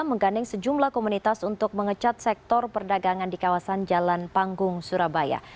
menggandeng sejumlah komunitas untuk mengecat sektor perdagangan di kawasan jalan panggung surabaya